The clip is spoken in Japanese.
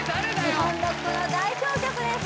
日本ロックの代表曲です